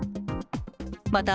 また、